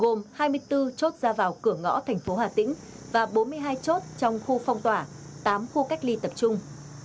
gồm hai mươi bốn chốt ra vào cửa ngõ thành phố hà tĩnh và bốn mươi hai chốt trong khu phong tỏa tám khu cách ly tập trung